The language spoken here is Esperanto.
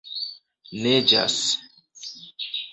Neĝas.